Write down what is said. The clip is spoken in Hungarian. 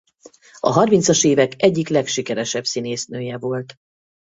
A harmincas évek egyik legsikeresebb színésznője volt.